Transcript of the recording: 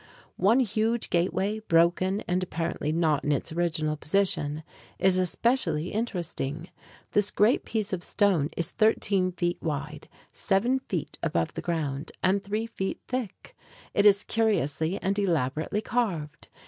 One huge gateway, broken and apparently not in its original position, is especially interesting. This great piece of stone is 13 feet wide, 7 feet above the ground, and 3 feet thick. It is curiously and elaborately carved.